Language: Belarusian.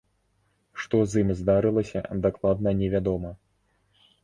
Што з ім здарылася, дакладна невядома.